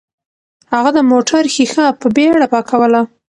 هغه د موټر ښیښه په بیړه پاکوله.